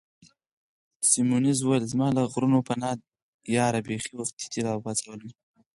سیمونز وویل: زما له غرونو پناه یاره، بیخي وختي دي را وپاڅولم.